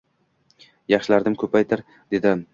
Yaxshilaridan ko‘paytir, derdim.